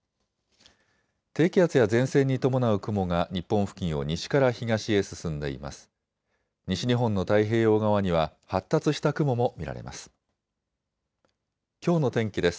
低気圧や前線に伴う雲が日本付近を西から東へ進んでいます。